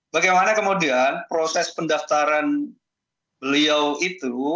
bagaimana kemudian proses pendaftaran beliau itu